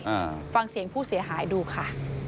อ่าฟังเสียงผู้เสียหายดูค่ะ